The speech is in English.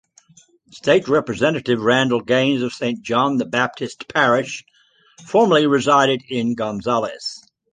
State Representative Randal Gaines of Saint John the Baptist Parish, formerly resided in Gonzales.